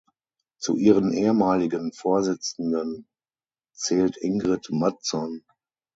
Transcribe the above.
Zu ihren ehemaligen Vorsitzenden zählt Ingrid Mattson.